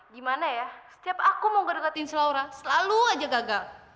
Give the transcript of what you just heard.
gimana ya setiap aku mau gak deketin si laura selalu aja gagal